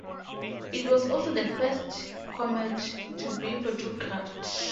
It was also the first comet to be photographed.